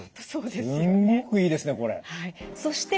そうですね。